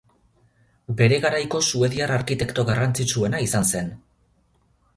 Bere garaiko suediar arkitekto garrantzitsuena izan zen.